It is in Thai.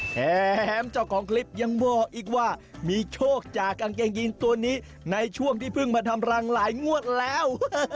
แถมเจ้าของคลิปยังบอกอีกว่ามีโชคจากกางเกงยีนตัวนี้ในช่วงที่เพิ่งมาทำรังหลายงวดแล้ว